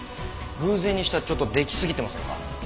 偶然にしてはちょっと出来すぎてませんか？